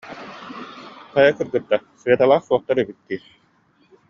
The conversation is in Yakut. Хайа, кыргыттар, Светалаах суохтар эбит дии